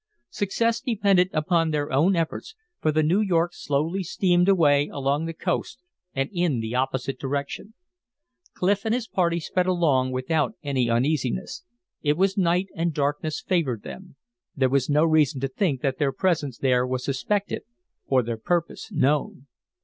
Success depended upon their own efforts, for the New York slowly steamed away along the coast and in the opposite direction. Clif and his party sped along without any uneasiness. It was night and darkness favored them. There was no reason to think that their presence there was suspected or their purpose known.